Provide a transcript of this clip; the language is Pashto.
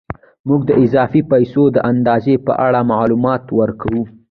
موږ د اضافي پیسو د اندازې په اړه معلومات ورکوو